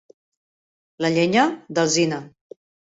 La llenya, d'alzina.